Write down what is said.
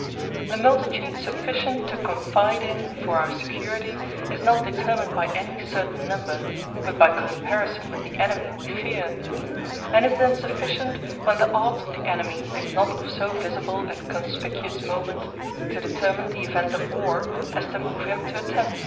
The Multitude sufficient to confide in for our Security, is not determined by any certain number, but by comparison with the Enemy we feare; and is then sufficient, when the odds of the Enemy is not of so visible and conspicuous moment, to determine the event of warre, as to move him to attempt.